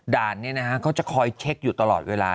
ด่านนี้นะฮะเขาจะคอยเช็คอยู่ตลอดเวลา